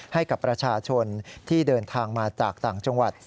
ให้กับประชาชนที่เดินทางมาจากต่างจังหวัด